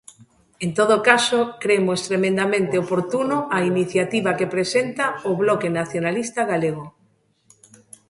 En todo caso, cremos tremendamente oportuno a iniciativa que presenta o Bloque Nacionalista Galego.